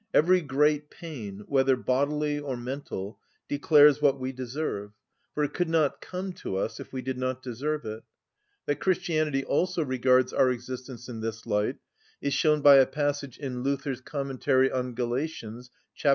Every great pain, whether bodily or mental, declares what we deserve: for it could not come to us if we did not deserve it. That Christianity also regards our existence in this light is shown by a passage in Luther's Commentary on Galatians, chap.